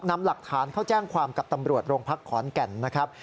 นำหลักฐานเข้าแจ้งความกับตำรวจโรงพักขอนแก่นนะครับ